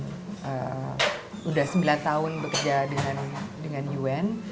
sudah sembilan tahun bekerja dengan un